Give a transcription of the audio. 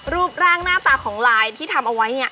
รูปร่างหน้าตาของลายที่ทำเอาไว้เนี่ย